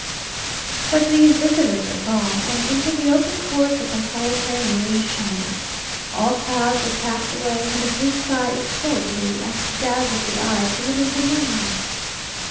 But these visitors are gone, and into the open court the consolatory moon is shining. All clouds have passed away, and the blue sky is so blue, as to dazzle the eyes even in the moonlight.